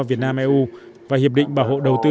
việt nam eu và hiệp định bảo hộ đầu tư